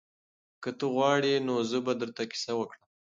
که ته غواړې نو زه به درته کیسه وکړم.